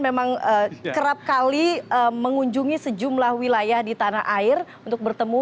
memang kerap kali mengunjungi sejumlah wilayah di tanah air untuk bertemu